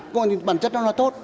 còn bản chất nó là tốt